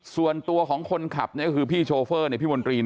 ส่วนตัวของคนขับก็คือพี่โชเฟอร์พี่มนตรี